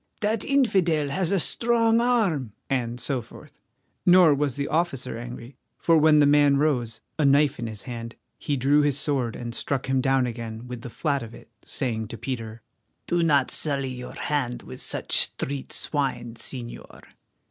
"That infidel has a strong arm," and so forth. Nor was the officer angry, for when the man rose, a knife in his hand, he drew his sword and struck him down again with the flat of it, saying to Peter: "Do not sully your hand with such street swine, Señor."